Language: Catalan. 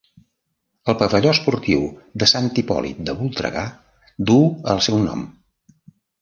El pavelló esportiu de Sant Hipòlit de Voltregà duu el seu nom.